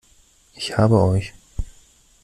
Ich habe euch!